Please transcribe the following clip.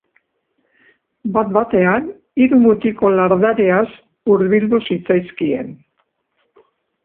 Bat-batean, hiru mutiko larderiaz hurbildu zitzaizkien.